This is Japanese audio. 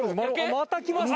また来ました